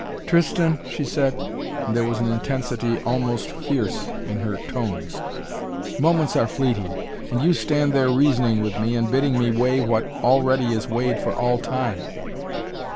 "Tristan," she said, and there was an intensity almost fierce in her tones, "moments are fleeting, and you stand there reasoning with me and bidding me weigh what already is weighed for all time.